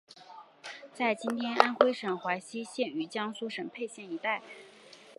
在今天安微省睢溪县与江苏省沛县一带。